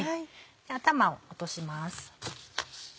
じゃあ頭を落とします。